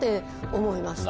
思いました。